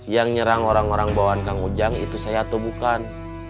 yang nyerang orang orang bawaan kang ujang itu saya atau bukan